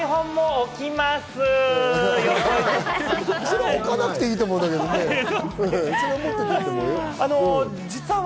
置かなくていいと思うんだけれども。